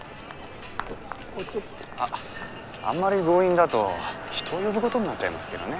あっあんまり強引だと人を呼ぶことになっちゃいますけどね。